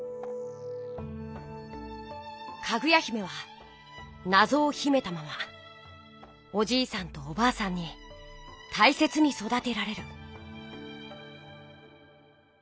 かぐや姫はなぞをひめたままおじいさんとおばあさんにたいせつにそだてられる。